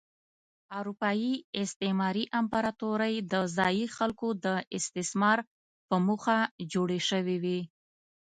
اروپايي استعماري امپراتورۍ د ځايي خلکو د استثمار په موخه جوړې شوې وې.